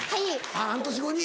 半年後に？